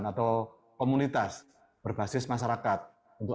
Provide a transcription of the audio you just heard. atau komunitas berbasis masyarakat untuk